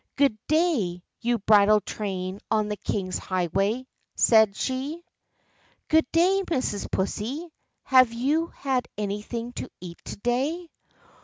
"Good day, you bridal train on the king's highway," said she. "Good day, Mrs. Pussy; have you had anything to eat to day?"